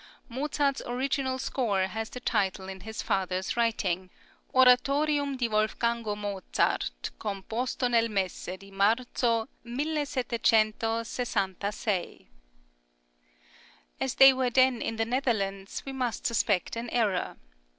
Mozart's original score has the title in his father's writing: "Oratorium di Wolfgango Mozart composto nel mese di Marzo, 1766." As they were then in the Netherlands, we must suspect an error.